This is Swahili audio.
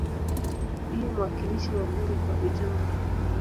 Ndiye mwakilishi wa bunge kwa ujumla.